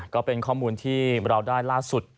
ก็เป็นข้อมูลที่เราได้ล่าสุด